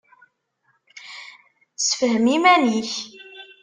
Sefhem iman-ik.